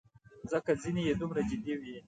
ځکه ځینې یې دومره جدي وې.